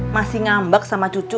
masih ngambek sama cucu